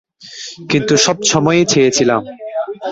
কিন্তু সবসময়ই চেয়েছিলাম।